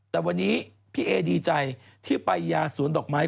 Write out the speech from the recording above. แต่วันนี้พี่เอดีใจที่ไปยาสวนดอกไม้